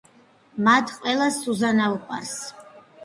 მათ ყველას სუზანა უყვარს.